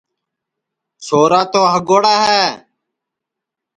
چھورا تو ہگوڑا ہے